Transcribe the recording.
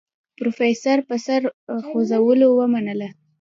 پروفيسر په سر خوځولو ومنله.